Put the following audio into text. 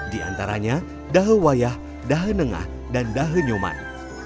di antaranya dahe wayah dahe nengah dan dahe nyuman